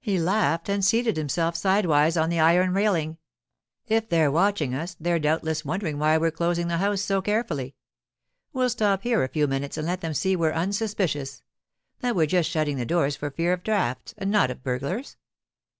He laughed and seated himself sidewise on the iron railing. 'If they're watching us, they're doubtless wondering why we're closing the house so carefully. We'll stop here a few minutes and let them see we're unsuspicious; that we're just shutting the doors for fear of draughts and not of burglars.